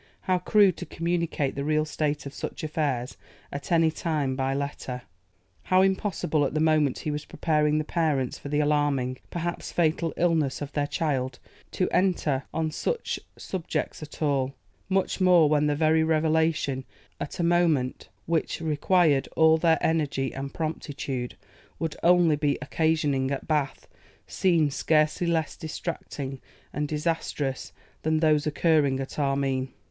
How crude to communicate the real state of such affairs at any time by letter! How impossible at the moment he was preparing the parents for the alarming, perhaps fatal illness of their child, to enter on such subjects at all, much more when the very revelation, at a moment which required all their energy and promptitude, would only be occasioning at Bath scenes scarcely less distracting and disastrous than those occurring at Armine.